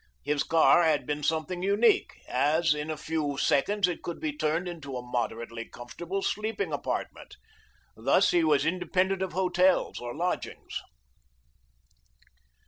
His car had been something unique, as in a few seconds it could be turned into a moderately comfortable sleeping apartment. Thus he was independent of hotels, or lodgings.